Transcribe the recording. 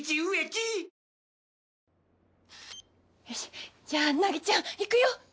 よしじゃあ凪ちゃんいくよ。